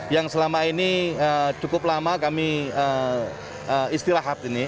yang selama ini cukup lama kami istirahat ini